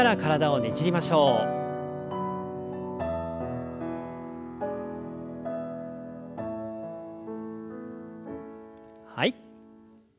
はい。